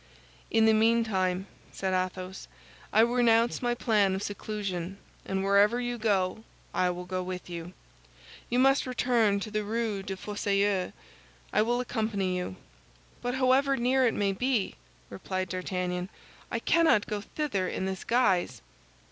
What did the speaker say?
"In the meantime," said Athos, "I renounce my plan of seclusion, and wherever you go, I will go with you. You must return to the Rue des Fossoyeurs; I will accompany you." "But however near it may be," replied D'Artagnan, "I cannot go thither in this guise."